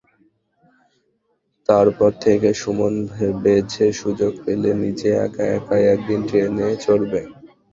তারপর থেকে সুমন ভেবেছে সুযোগ পেলে নিজে একা একাই একদিন ট্রেনে চড়বে।